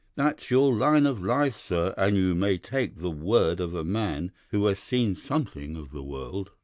That's your line of life, sir, and you may take the word of a man who has seen something of the world.